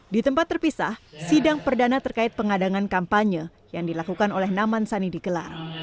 di tempat terpisah sidang perdana terkait pengadangan kampanye yang dilakukan oleh naman sani digelar